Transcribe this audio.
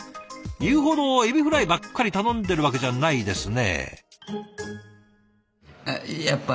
言うほどエビフライばっかり頼んでるわけじゃないですね？